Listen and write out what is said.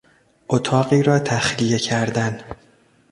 اتاقی را تخلیه کردن